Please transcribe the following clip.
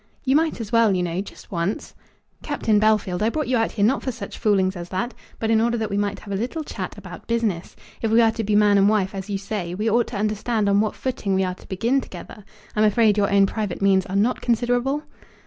"You might as well, you know, just once." "Captain Bellfield, I brought you out here not for such fooling as that, but in order that we might have a little chat about business. If we are to be man and wife, as you say, we ought to understand on what footing we are to begin together. I'm afraid your own private means are not considerable?"